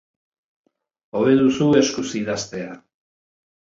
Hobe duzu eskuz idaztea.